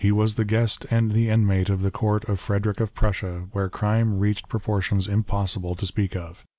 13 the guest and the inmate of the Court of Frederick of Prussia, wliere crime reached proportions impossible to speak of.